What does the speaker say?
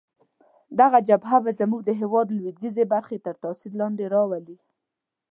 دغه جبهه به زموږ د هیواد لویدیځې برخې تر تاثیر لاندې راولي.